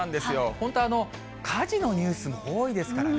本当、火事のニュースも多いですからね。